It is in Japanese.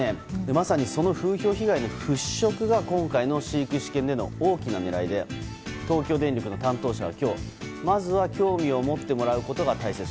まさにその風評被害の払拭が今回の飼育試験での大きな狙いで東京電力の担当者は今日まずは興味を持ってもらうことが大切。